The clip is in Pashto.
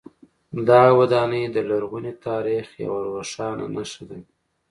دغه ودانۍ د لرغوني تاریخ یوه روښانه نښه ده.